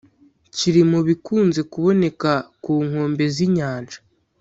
kiri mu bikunze kuboneka ku nkombe z’inyanja